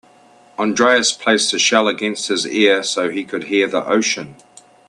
Andreas placed the shell against his ear so he could hear the ocean.